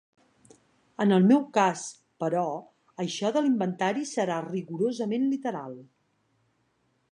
En el meu cas, però, això de l'inventari serà rigorosament literal.